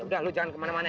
udah lu jangan kemana mana